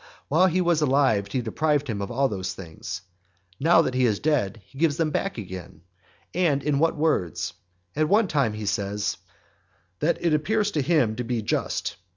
While he was alive he deprived him of all these things; now that he is dead, he gives them back again. And in what words? At one time he says, "that it appears to him to be just